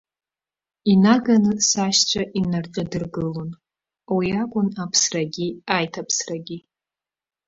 Инаганы сашьцәа инарҿадыргылон, уи акәын аԥсрагьы аиҭаԥсрагьы.